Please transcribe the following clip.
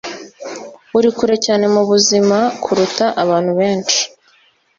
uri kure cyane mubuzima kuruta abantu benshi.”